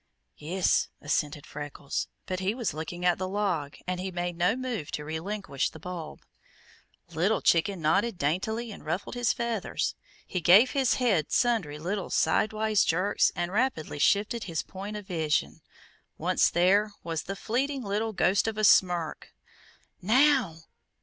"Yis," assented Freckles, but he was looking at the log and he made no move to relinquish the bulb. Little Chicken nodded daintily and ruffled his feathers. He gave his head sundry little sidewise jerks and rapidly shifted his point of vision. Once there was the fleeting little ghost of a smirk. "Now!